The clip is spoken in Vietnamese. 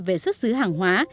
về xuất xứ hàng hóa